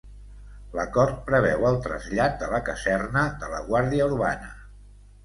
L'acord preveu el trasllat de la caserna de la Guàrdia Urbana.